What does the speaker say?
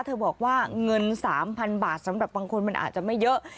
บอกว่าเงิน๓๐๐๐บาทสำหรับบางคนมันอาจจะไม่เยอะ